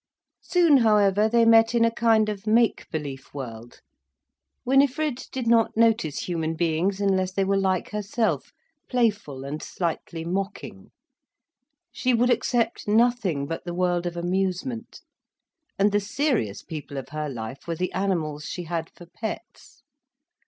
Soon, however, they met in a kind of make belief world. Winifred did not notice human beings unless they were like herself, playful and slightly mocking. She would accept nothing but the world of amusement, and the serious people of her life were the animals she had for pets.